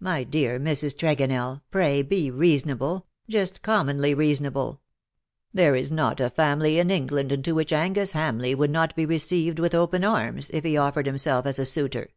My dear Mrs. Tregonell^ pray be reasonable, just commonly reasonable ! There is not a family in England into which Angus Hamleigh would not be received with open arms, if he offered himself as a suitor.